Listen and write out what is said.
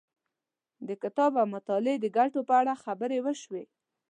د کتاب او مطالعې د ګټو په اړه خبرې وشوې.